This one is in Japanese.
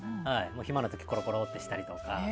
暇な時コロコロってしたりとか。